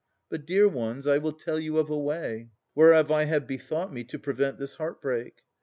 But, dear ones, I will tell you of a way, Whereof I have bethought me, to prevent This heart break.